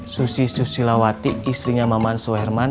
susi susilawati istrinya mamansu herman